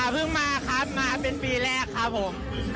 เพิ่งมาครับมาเป็นปีแรกครับผม